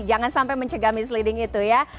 jangan sampai mencegah misleading itu ya